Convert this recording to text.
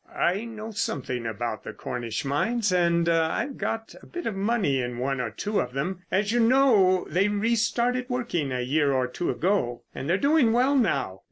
"I know something about the Cornish mines, and I've got a bit of money in one or two of them. As you know, they restarted working a year or two ago, and they're doing well now.